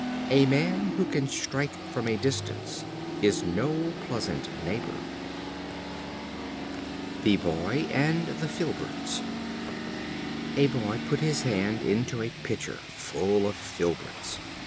A man who can strike from a distance is no pleasant neighbor. The Boy and the Filberts. A Boy put his hand into a pitcher full of filberts.